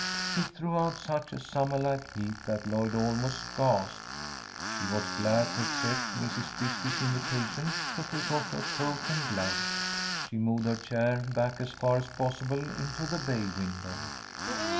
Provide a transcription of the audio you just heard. It threw out such a summer like heat that Lloyd almost gasped. She was glad to accept Mrs. Bisbee's invitation to take off her coat and gloves. She moved her chair back as far as possible into the bay window.